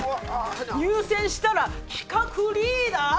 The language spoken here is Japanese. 入選したら企画リーダー！？